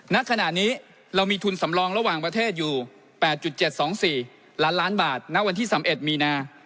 ณขณะนี้เรามีทุนสำรองระหว่างประเทศอยู่๘๗๒๔ล้านล้านบาทณวันที่๑๑มีนา